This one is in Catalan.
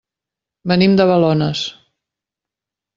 Venim de Balones.